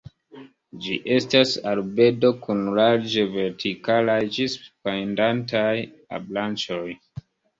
Ĝi estas arbedo kun larĝe vertikalaj ĝis pendantaj branĉoj.